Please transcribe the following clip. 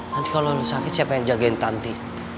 nanti kalau sakit siapa yang jagain tanti